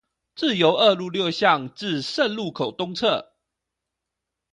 自由二路六巷至聖路口東側